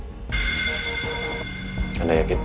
kalau pas salah kayak gini